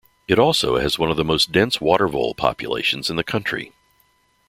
It also has one of the most dense water vole populations in the country.